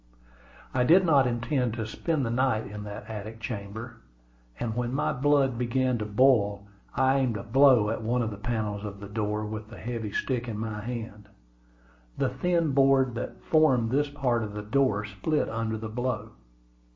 I did not intend to spend the night in that attic chamber; and when my blood began to boil, I aimed a blow at one of the panels of the door with the heavy stick in my hand. The thin board that formed this part of the door split under the blow.